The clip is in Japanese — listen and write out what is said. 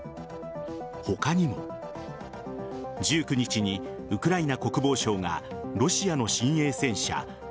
他にも１９日にウクライナ国防省がロシアの新鋭戦車Ｔ‐９０